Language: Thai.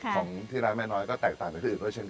ของที่ร้านแม่น้อยก็แตกต่างจากที่อื่นด้วยเช่น